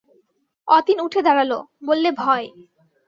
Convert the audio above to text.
অতীন উঠে দাঁড়াল, বললে ভয়!